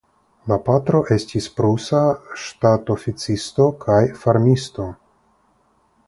La patro estis prusa ŝtatoficisto kaj farmisto.